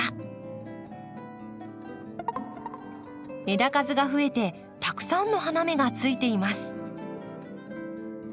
枝数が増えてたくさんの花芽がついています。